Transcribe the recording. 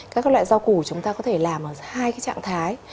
các loại rau củ chúng ta có thể làm ở hai cái trạng thái